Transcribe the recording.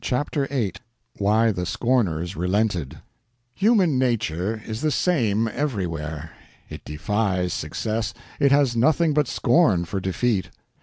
Chapter 8 Why the Scorners Relented HUMAN NATURE is the same everywhere: it defies success, it has nothing but scorn for defeat.